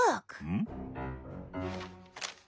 ん？